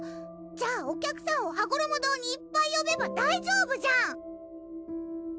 じゃあお客さんをはごろも堂にいっぱいよべば大丈夫じゃん！